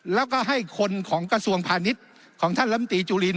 แล้วก็ให้คนของกระทรวงพาณิชย์ของท่านลำตีจุลิน